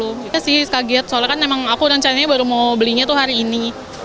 saya sih kaget soalnya kan emang aku rencananya baru mau belinya tuh hari ini